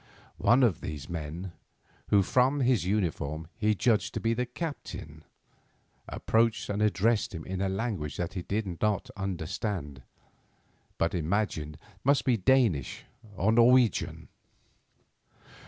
One of these men, who from his uniform he judged to be the captain, approached and addressed him in a language that he did not understand, but imagined must be Danish or Norwegian.